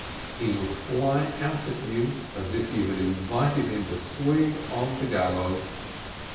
He'll fly out at you as if you had invited him to a swing on the gallows.